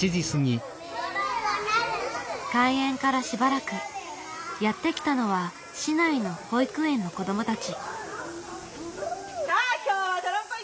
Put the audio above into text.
開園からしばらくやって来たのは市内の保育園の子どもたち。